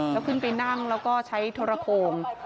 แล้วขึ้นไปนั่งแล้วก็ใช้โทรโครง